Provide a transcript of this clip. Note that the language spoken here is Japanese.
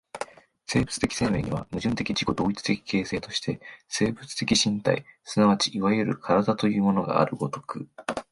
生物的生命には、矛盾的自己同一的形成として生物的身体即ちいわゆる身体というものがある如く、